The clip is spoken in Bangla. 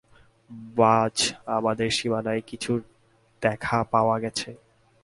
বায, আমাদের সীমানায় কিছুর দেখা পাওয়া গেছে।